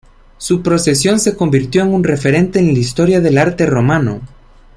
Su procesión se convirtió en un referente en la historia del arte romano.